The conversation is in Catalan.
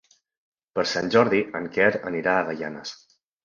Per Sant Jordi en Quer anirà a Gaianes.